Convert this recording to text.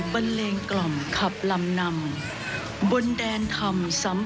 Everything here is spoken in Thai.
พรุ่งนี้ผมควรจะรับวันเด็นทำ